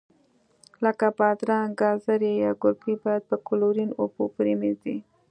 لکه بادرنګ، ګازرې یا ګلپي باید په کلورین اوبو پرېمنځي.